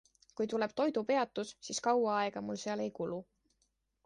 Kui tuleb toidupeatus, siis kaua aega mul seal ei kulu.